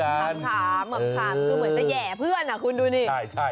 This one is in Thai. ขำคือเหมือนจะแห่เพื่อนคุณดูนี่